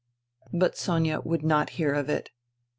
" But Sonia would not hear of it.